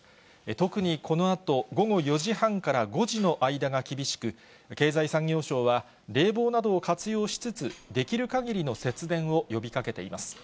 特にこのあと、午後４時半から５時の間が厳しく、経済産業省は、冷房などを活用しつつ、できるかぎりの節電を呼びかけています。